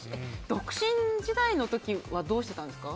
独身時代の時はどうしてたんですか？